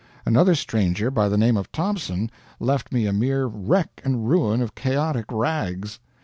Another stranger, by the name of Thompson, left me a mere wreck and ruin of chaotic rags.